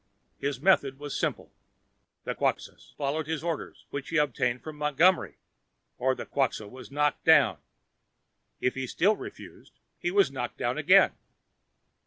His method was simple the Quxa followed his orders, which he obtained from Montgomery, or the Quxa was knocked down. If he still refused, he was knocked down again.